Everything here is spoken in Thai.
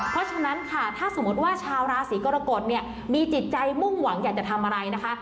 เพราะฉะนั้นค่ะถ้าสมมติว่าชาวราศีกรกฎเนี่ยมีจิตใจมุ่งหวังอยากจะทำอะไรนะคะ